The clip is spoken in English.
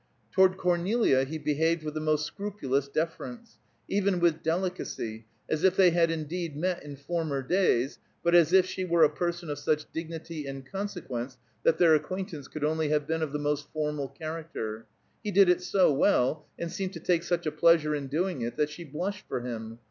Toward Cornelia he behaved with the most scrupulous deference, even with delicacy, as if they had indeed met in former days, but as if she were a person of such dignity and consequence that their acquaintance could only have been of the most formal character. He did it so well, and seemed to take such a pleasure in doing it that she blushed for him.